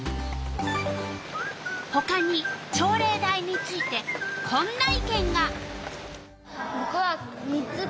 ほかに朝礼台についてこんな意見が。